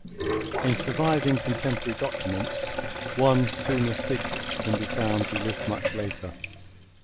In surviving contemporary documents one "Sune Sik" can be found who lived much later.